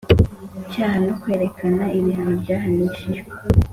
Cyaha no kwerekana ibihano byahanishijwe